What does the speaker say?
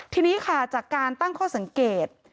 ทีนี้ค่ะจากการตั้งข้อสังเกต